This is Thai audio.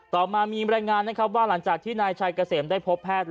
ต่อมามีรายงานนะครับว่าหลังจากที่นายชัยเกษมได้พบแพทย์